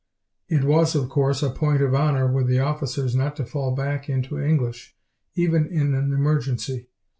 It was, of course, a point of honor with the officers not to fall back into English, even in an emergency.